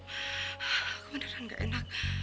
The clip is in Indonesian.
aku beneran nggak enak